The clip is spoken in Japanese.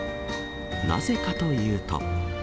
なぜかというと。